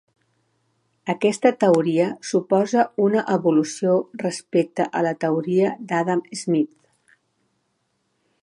Aquesta teoria suposa una evolució respecte a la teoria d'Adam Smith.